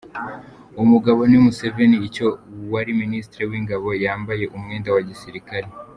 Uwo mugabo ni Museveni icyo wari Minisitiri w’ Ingabo yambaye umwenda wa gisirikare.